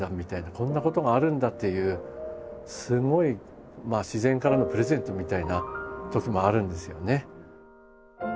「こんなことがあるんだ！」っていうすごい自然からのプレゼントみたいなときもあるんですよね。